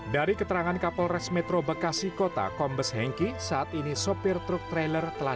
dari keterangan kapolres metro bekasi kota kombes hengki saat ini sopir truk trailer telah